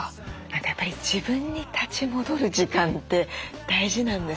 何かやっぱり自分に立ち戻る時間って大事なんですね。